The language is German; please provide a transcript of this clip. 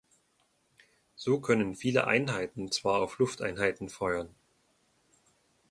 So können viele Einheiten zwar auf Lufteinheiten feuern.